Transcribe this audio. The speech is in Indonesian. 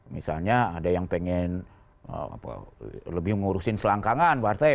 misalnya ada yang pengen lebih ngurusin selangkangan partai